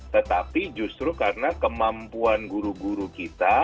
tetapi justru karena kemampuan guru guru kita